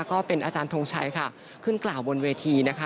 ก็เป็นอาจารย์ทงชัยค่ะขึ้นกล่าวบนเวทีนะคะ